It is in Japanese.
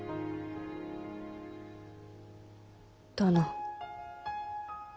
殿。